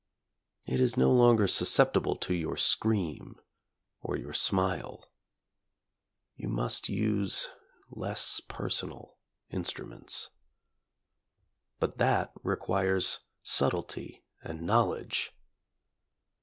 It is no longer susceptible to your scream or your smile. You must use less personal instruments. But that requires subtlety and knowledge.